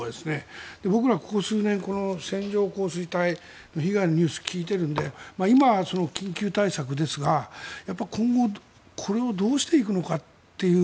僕らここ数年、線状降水帯の被害のニュースを聞いているので今は緊急対策ですが今後はこれをどうしていくのかっていう